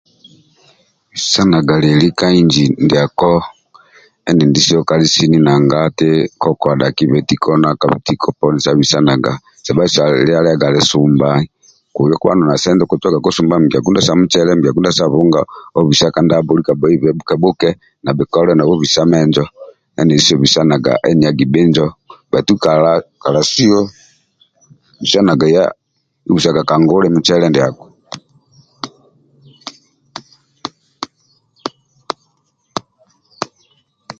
Bisanaga lieli ka inji ndiako endindisio kali sini nanga koko adhakibe tiko poni sa bisanaga sevhalisio okusumbaga mikia kunda sa mucele keda mikia kunda sa buhunga obisa ka ndabho olika gbibe bhuke bhuke na bhikole nau obisa menjo bisanaga sebhalisio aenagi bhinjo bhaitu kalasio bisanaga oyobisaga ka nguli mucele ndiako